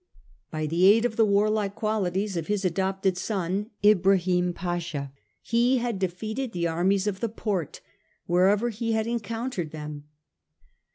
By the aid of the warlike qualities of his adopted son, Ibrahim Pasha, he had defeated the armies of the Porte wherever he had encountered them.